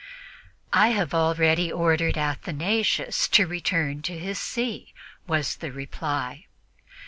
"I have already ordered Athanasius to return to his See," was the reply.